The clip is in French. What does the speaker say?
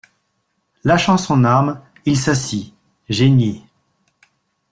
Lâchant son arme, il s'assit, geignit.